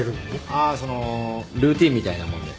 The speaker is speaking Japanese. ああそのルーティンみたいなもんで。